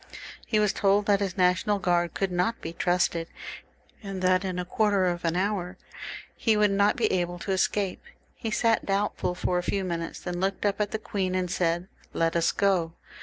He was told that his National Guard could not be trusted, and that in a quarter of an hour more he would not be able to escape. He sat doubtful for a few minutes, then looked up at the queen, and said, " Let us go."